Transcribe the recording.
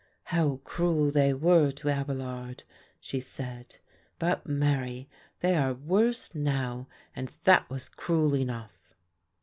"How cruel they were to Abelard," she said, "but marry, they are worse now, and that was cruel enough."